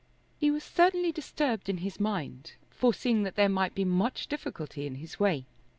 He was certainly disturbed in his mind, foreseeing that there might be much difficulty in his way.